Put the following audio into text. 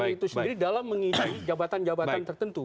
dari tubuh tni itu sendiri dalam mengisi jabatan jabatan tertentu